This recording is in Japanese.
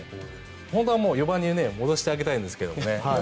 本当は４番に戻してあげたいんですけどね。